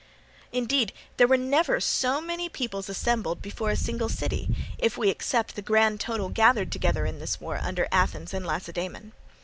Indeed, there were never so many peoples assembled before a single city, if we except the grand total gathered together in this war under Athens and Lacedaemon.